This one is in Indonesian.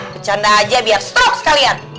bercanda aja biar stop sekalian